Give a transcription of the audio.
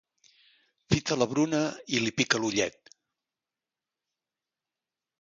Fita la Bruna i li pica l'ullet.